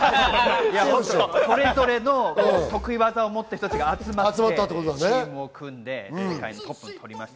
それぞれの得意技を持った人たちが集まってチームを組んで、世界のトップを取りました。